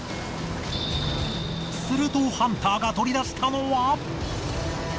するとハンターが取り出したのは。